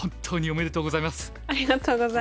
おめでとうございます。